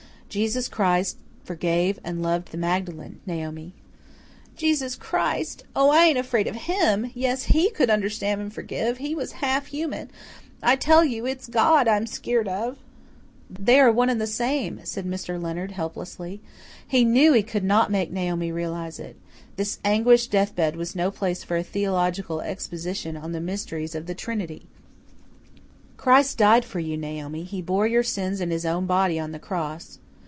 "Jesus Christ forgave and loved the Magdalen, Naomi." "Jesus Christ? Oh, I ain't afraid of HIM. Yes, HE could understand and forgive. He was half human. I tell you, it's God I'm skeered of." "They are one and the same," said Mr. Leonard helplessly. He knew he could not make Naomi realize it. This anguished death bed was no place for a theological exposition on the mysteries of the Trinity. "Christ died for you, Naomi. He bore your sins in His own body on the cross."